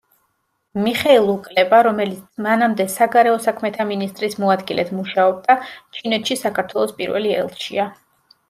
მიხეილ უკლება, რომელიც მანამდე საგარეო საქმეთა მინისტრის მოადგილედ მუშაობდა, ჩინეთში საქართველოს პირველი ელჩია.